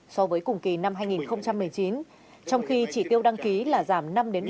so với cùng kỳ năm hai nghìn một mươi chín trong khi chỉ tiêu đăng ký là giảm năm bảy